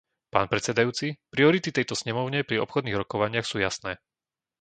Pán predsedajúci, priority tejto snemovne pri obchodných rokovaniach sú jasné.